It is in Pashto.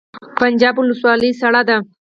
پنجاب ولسوالۍ سړه ده؟